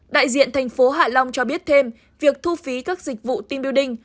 đại diện thành phố hạ long cho biết thêm việc thu phí các dịch vụ team building